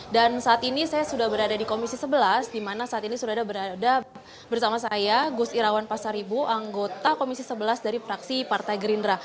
dan saat ini saya sudah berada di komisi sebelas di mana saat ini sudah berada bersama saya gus irawan pasaribu anggota komisi sebelas dari fraksi partai gerindra